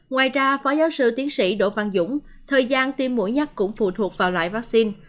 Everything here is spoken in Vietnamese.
ngoài ra phó giáo sư tiến sĩ đỗ văn dũng thời gian tiêm mũi nhắc cũng phụ thuộc vào loại vaccine